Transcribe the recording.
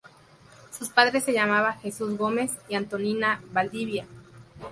Sus padres se llamaban Jesús Gómez y Antonina Valdivia.